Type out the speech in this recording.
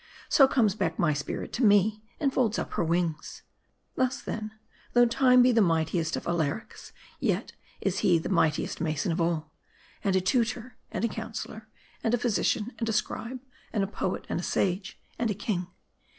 So comes back my spirit to me, and folds up her wings. M A R D I. 269 Thus, then, though Time be the mightiest of Alarics, yet is he the mightiest mason of all. And a tutor, and a counselor, and a physician, and a scribe, and a poet; and a sage, and a king.